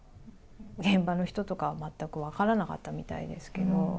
現場の人とかは全く分からなかったみたいですけど。